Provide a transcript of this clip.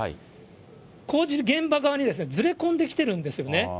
工事現場側にずれ込んできてるんですよね。